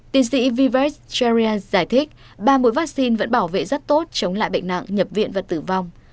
tiến sĩ vyvest charyer giải thích ba mũi vaccine vẫn bảo vệ rất tốt chống lại bệnh nặng nhập viện và tử vong